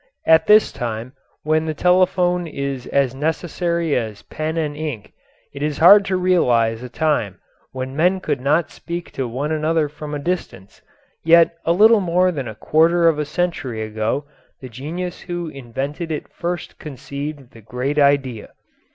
At this time, when the telephone is as necessary as pen and ink, it is hard to realise a time when men could not speak to one another from a distance, yet a little more than a quarter of a century ago the genius who invented it first conceived the great idea.